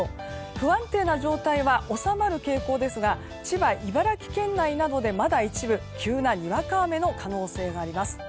不安定な状態は収まる傾向ですが千葉、茨城県内などでまだ一部急なにわか雨の可能性があります。